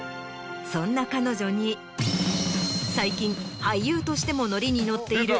そんな彼女に最近俳優としてもノリにノッている。